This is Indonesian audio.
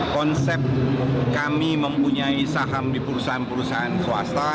konsep kami mempunyai saham di perusahaan perusahaan swasta